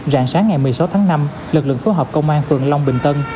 rạng sáng ngày một mươi sáu tháng năm lực lượng phối hợp công an phường long bình tân